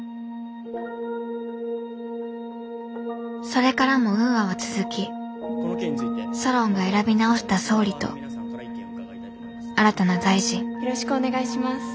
それからもウーアは続きソロンが選び直した総理と新たな大臣よろしくお願いします。